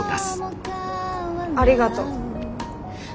ありがとう。